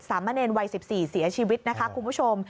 มะเนรวัย๑๔เสียชีวิตนะคะคุณผู้ชม